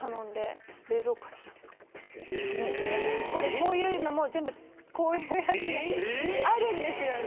こういうのも全部こういうやつがあるんですよね。